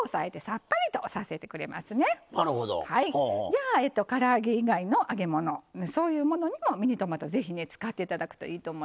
じゃあから揚げ以外の揚げ物そういうものにもミニトマトぜひね使って頂くといいと思います。